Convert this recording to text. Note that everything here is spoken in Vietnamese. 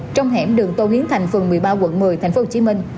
trong hẻm đường tô hiến thành phường một mươi ba quận một mươi tp hcm